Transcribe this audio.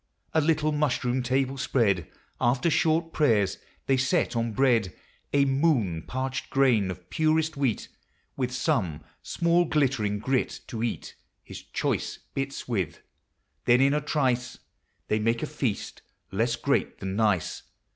FAIRIES: ELVES: SPRITES. 15 A little mushroom table spread, After short prayers, they set on bread, A moon parched grain of purest wheat, With some small glitt'ring grit, to eat His choice bits with ; then in a trice They make a feast less great than nice.